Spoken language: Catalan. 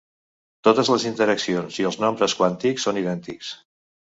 Totes les interaccions i els nombres quàntics són idèntics.